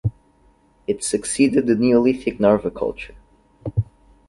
It succeeded the Neolithic Narva culture.